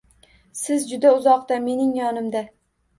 Siz juda uzoqda – mening yonimda